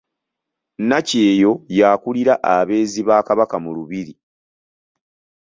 Nakyeyo y’akulira abeezi ba Kabaka mu lubiri.